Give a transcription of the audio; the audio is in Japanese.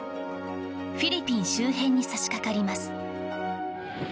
フィリピン周辺に差しかかります。